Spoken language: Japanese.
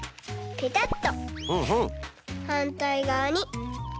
ペタッと。